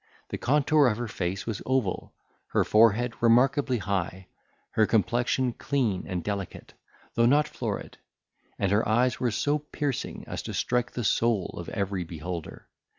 The contour of her face was oval; her forehead remarkably high; her complexion clean and delicate, though not florid; and her eyes were so piercing, as to strike the soul of every beholder.